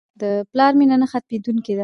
د پلار مینه نه ختمېدونکې ده.